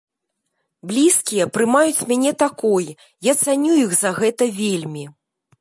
Блізкія прымаюць мяне такой, я цаню іх за гэта вельмі.